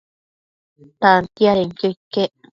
Tantiadenquio iquec